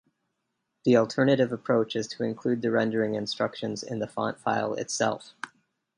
The alternative approach is to include the rendering instructions in the font file itself.